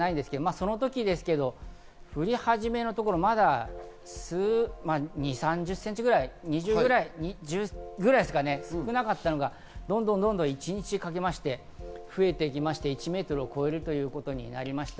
その時ですけれども、降り始めがまだ２０３０ｃｍぐらい１０ｃｍぐらいですかね、少なかったのがどんどん一日をかけまして増えていきまして１ｍを超えるということになりました。